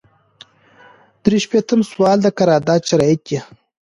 درې شپیتم سوال د قرارداد شرایط دي.